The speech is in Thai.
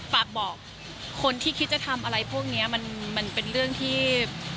ฝากบอกคนที่คิดจะทำอะไรพวกนี้มันเป็นเรื่องที่